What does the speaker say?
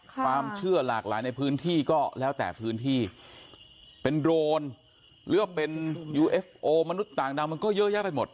ความเชื่อหลากหลายในพื้นที่ก็แล้วแต่พื้นที่เป็นโดรนหรือว่าเป็นยูเอฟโอมนุษย์ต่างดาวมันก็เยอะแยะไปหมด